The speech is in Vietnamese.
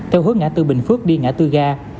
theo hướng ngã tư bình phước đi ngã tư ga